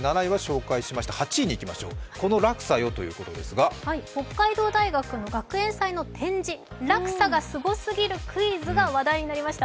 ８位にいきましょう、この落差よということですが北海道大学の学園祭の展示落差がすごすぎるクイズが話題になりました。